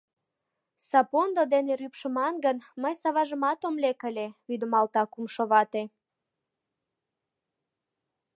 — Сапондо дене рӱпшыман гын, мый савашыжат ом лек ыле, — вудымалта кумшо вате.